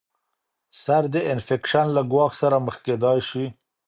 سر د انفیکشن له ګواښ سره مخ کیدای شي.